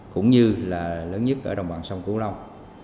cũng như là lớn nhất ở đồng bằng sông củ lông